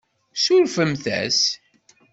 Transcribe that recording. Surfemt-as.